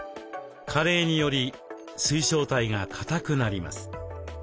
加齢により水晶体がかたくなります。